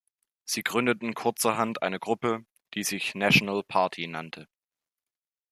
Sie gründeten kurzerhand eine Gruppe, die sich "National Party" nannte.